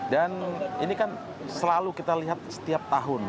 dan ini kan selalu kita lihat setiap tahun